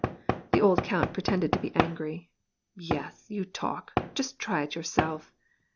The old count pretended to be angry ;" Yes, you talk, just •ry it yourself